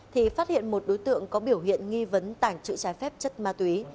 thì phát hiện một đối tượng có biểu hiện nghi vấn tàng trữ trái phép chất ma túy